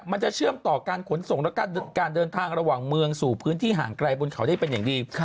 มันจะเชื่อมต่อการขนส่งและการเดินทางระหว่างเมืองสู่พื้นที่ห่างไกลบนเขาได้เป็นอย่างดี